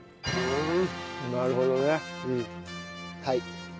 はい。